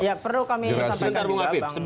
ya perlu kami sampaikan mas bang